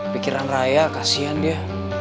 pikiran raya kasihan dia